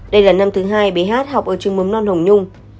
đây là năm thứ hai bí hát học ở trường mầm non hồng nhung